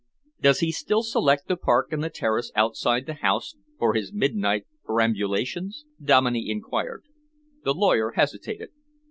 "Does he still select the park and the terrace outside the house for his midnight perambulations?" Dominey enquired. The lawyer hesitated.